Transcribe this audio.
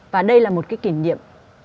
và đây là một kỷ niệm